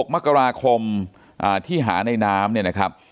๑๖มกราคมที่หาในน้ำ